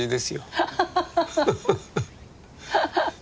ハハハハ！